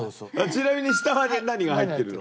ちなみに下は何が入ってるの？